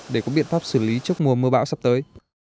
để có biện pháp xử lý trước mùa mưa bão sắp tới